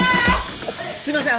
すすいません